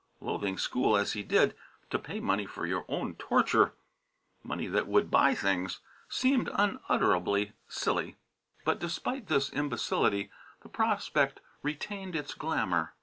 Loathing school as he did, to pay money for your own torture money that would buy things seemed unutterably silly. But despite this inbecility the prospect retained its glamour.